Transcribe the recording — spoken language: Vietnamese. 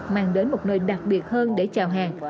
mang đến một nơi đặc biệt hơn để chào hàng